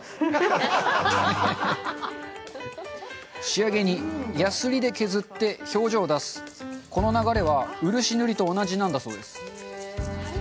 仕上げにやすりで削って表情を出すこの流れは漆塗りと同じなんだそうです。